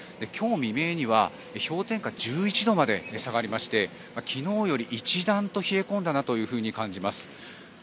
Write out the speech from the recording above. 今日未明には氷点下１１度まで下がりまして昨日より一段と冷え込んだと感じます。